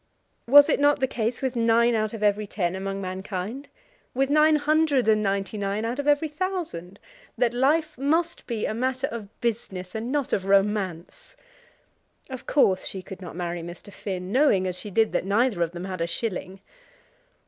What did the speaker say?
Was it not the case with nine out of every ten among mankind, with nine hundred and ninety nine out of every thousand, that life must be a matter of business and not of romance? Of course she could not marry Mr. Finn, knowing, as she did, that neither of them had a shilling.